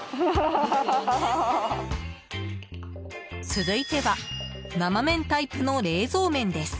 続いては生麺タイプの冷蔵麺です。